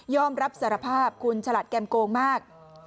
รับสารภาพคุณฉลาดแก่มโกงมาก